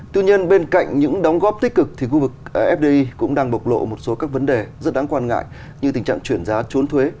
tuy nhiên bên cạnh những đóng góp tích cực thì khu vực fdi cũng đang bộc lộ một số các vấn đề rất đáng quan ngại như tình trạng chuyển giá trốn thuế